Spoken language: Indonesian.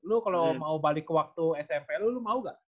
lu kalau mau balik ke waktu smp lo lu mau gak